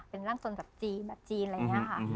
เป็นร่างทรงแบบจีนแบบจีนอะไรอย่างนี้ค่ะ